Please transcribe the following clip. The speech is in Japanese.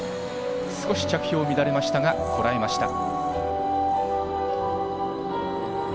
少し着氷が乱れましたが、こらえました。